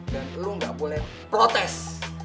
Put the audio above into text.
dan lo gak boleh protes